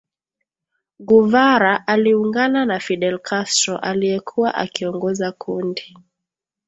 Guevara aliungana na Fidel Castro aliyekuwa akiongoza kundi